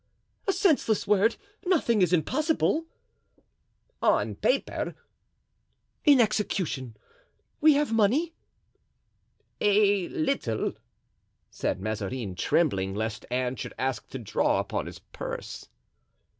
"A senseless word. Nothing is impossible." "On paper." "In execution. We have money?" "A little," said Mazarin, trembling, lest Anne should ask to draw upon his purse.